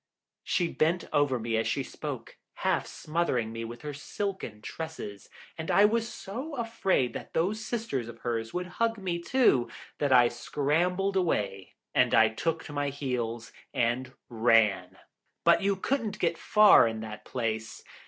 She bent over me as she spoke, half smothering me with her silken tresses, and I was so afraid that those sisters of hers would hug me too, that I scrambled away and I took to my heels and ran. But you couldn't get far in that place.